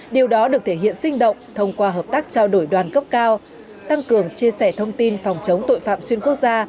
điều đó được thể hiện sinh động thông qua hợp tác trao đổi đoàn cấp cao tăng cường chia sẻ thông tin phòng chống tội phạm xuyên quốc gia